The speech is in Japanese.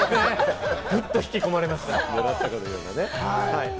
グッと引き込まれました。